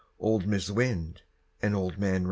Old Mis' Wind and Old Man Rain.